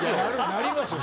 なりますよ